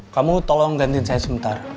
kamu tolong gantiin saya sebentar